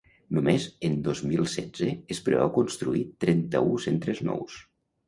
Només en dos mil setze es preveu construir trenta-u centres nous.